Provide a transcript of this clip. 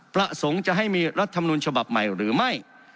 ประสงค์จะให้มีรัฐมนุนฉบับใหม่หรือไม่